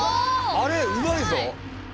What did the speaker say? あれうまいぞ。